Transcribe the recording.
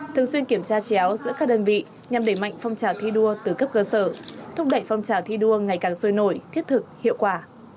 thường xuyên kiểm tra chéo giữa các đơn vị nhằm đẩy mạnh phong trào thi đua từ cấp cơ sở thúc đẩy phong trào thi đua ngày càng sôi nổi thiết thực hiệu quả